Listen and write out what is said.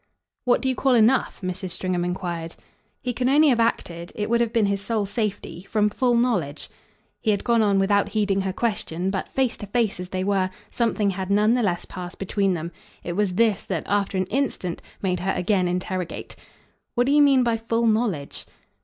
"What do you call enough?" Mrs. Stringham enquired. "He can only have acted it would have been his sole safety from full knowledge." He had gone on without heeding her question; but, face to face as they were, something had none the less passed between them. It was this that, after an instant, made her again interrogative. "What do you mean by full knowledge?"